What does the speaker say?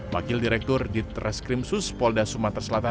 wakil direktur ditreskrim sus polda sumatera selatan